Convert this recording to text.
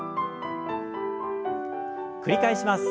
繰り返します。